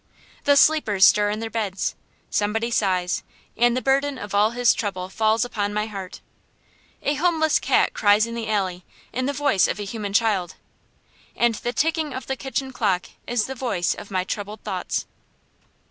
The sleepers stir in their beds. Somebody sighs, and the burden of all his trouble falls upon my heart. A homeless cat cries in the alley, in the voice of a human child. And the ticking of the kitchen clock is the voice of my troubled thoughts.